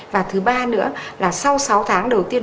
và thứ ba nữa là sau sáu tháng đầu tiên